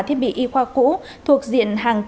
thiết bị y khoa cũ thuộc diện hàng cờ